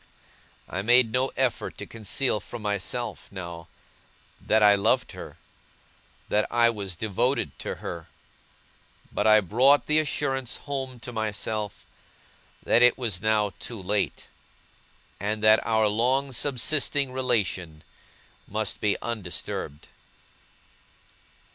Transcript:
I made no effort to conceal from myself, now, that I loved her, that I was devoted to her; but I brought the assurance home to myself, that it was now too late, and that our long subsisting relation must be undisturbed.